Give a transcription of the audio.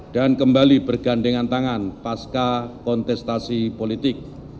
dan kembali bergandengan tangan pasca kontestasi politik